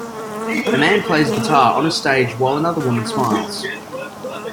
A man plays guitar on a stage while another woman smiles